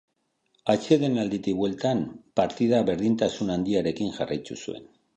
Atsedenalditik bueltan partidak berdintasun handiarekin jarraitu zuen.